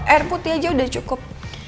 air putih aja udah cukup